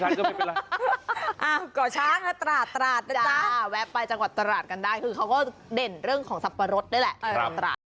ที่จังหวัดตราดกันได้คือเขาก็เด่นเรื่องของซับปะรดด้วยแหละ